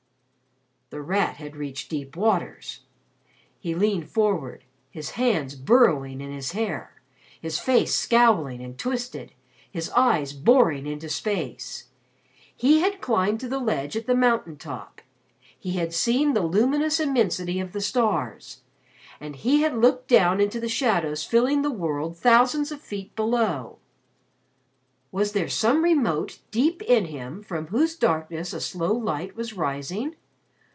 The Rat had reached deep waters. He leaned forward his hands burrowing in his hair, his face scowling and twisted, his eyes boring into space. He had climbed to the ledge at the mountain top; he had seen the luminous immensity of the stars, and he had looked down into the shadows filling the world thousands of feet below. Was there some remote deep in him from whose darkness a slow light was rising?